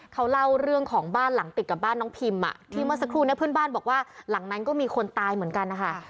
เขาเล่าเรื่องของบ้านหลังติดกับบ้านน้องพิมอ่ะที่เมื่อสักครู่เนี่ยเพื่อนบ้านบอกว่าหลังนั้นก็มีคนตายเหมือนกันนะคะ